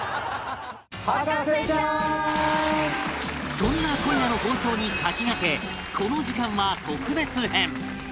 そんな今夜の放送に先駆けこの時間は特別編